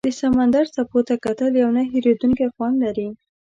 د سمندر څپو ته کتل یو نه هېریدونکی خوند لري.